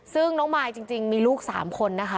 ซึ่งน้องมายจริงมีลูก๓คนนะคะ